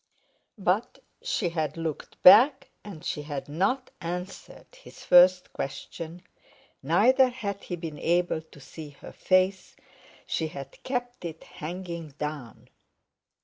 But she had looked back, and she had not answered his first question; neither had he been able to see her face—she had kept it hanging down.